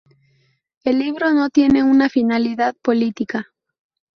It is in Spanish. El libro no tiene una finalidad política".